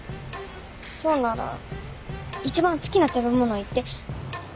そうなら一番好きな食べ物を言って。